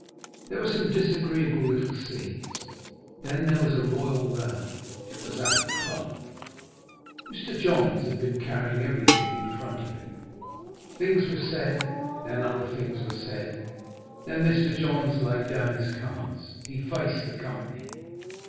There were some disagreeable little scenes. Then there was a royal row; it was at the club. Mr. Johns had been carrying everything in front of him. Things were said; then other things were said Then Mr. Johns laid down his cards; he faced the company.